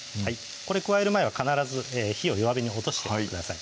これ加える前は必ず火を弱火に落としてください